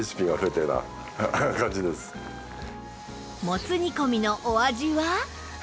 もつ煮込みのお味は？